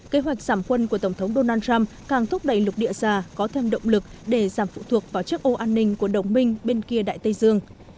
kế hoạch giảm quân của tổng thống donald trump càng thúc đẩy lục địa già có thêm động lực để giảm phụ thuộc vào chiếc ô an ninh của đồng minh bên kia đại tây dương